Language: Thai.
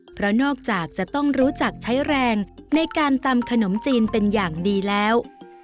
เพราะนอกจากจะต้องรู้จักใช้แรงในการตำขนมจีนเป็นอย่างดีแล้ว